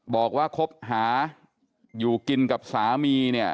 บอกว่าคบหาอยู่กินกับสามีเนี่ย